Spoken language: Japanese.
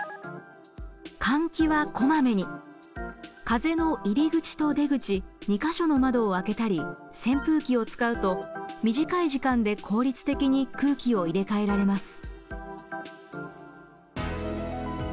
風の入り口と出口２か所の窓を開けたり扇風機を使うと短い時間で効率的に空気を入れ替えられます。